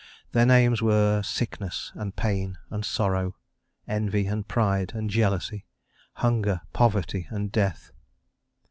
Their names were Sickness and Pain and Sorrow; Envy and Pride and Jealousy; Hunger, Poverty, and Death.